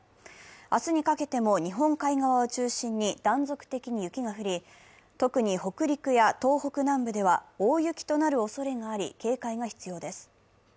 明日にかけても日本海側を中心に断続的に雪が降り、特に北陸や東北南部では大雪となるおそれがあり、警戒が必要です。